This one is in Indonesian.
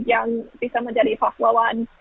yang bisa menjadi pahlawan